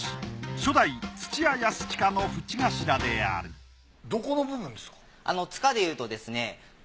初代土屋安親の縁頭であるどこの部分ですか？